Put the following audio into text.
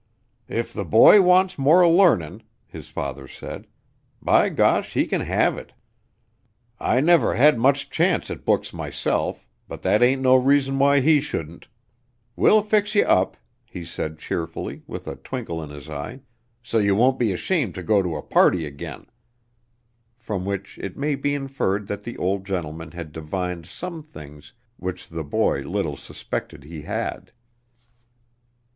"If the boy wants more learnin'," his father said, "by gosh, he can have it. I never had much chance at books myself, but that ain't no reason why he shouldn't. We'll fix ye up," he said cheerfully, with a twinkle in his eye, "so ye won't be ashamed to go to a party again;" from which it may be inferred that the old gentleman had divined some things which the boy little suspected he had.